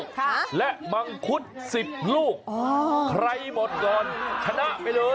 ค่ะและมังคุดสิบลูกอ๋อใครหมดก่อนชนะไปเลย